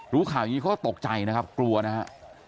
ข่าวอย่างนี้เขาก็ตกใจนะครับกลัวนะฮะ